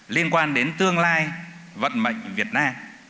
liên quan đến tương lai vận mệnh việt nam